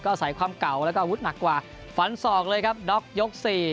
อาศัยความเก่าแล้วก็อาวุธหนักกว่าฝันศอกเลยครับด็อกยก๔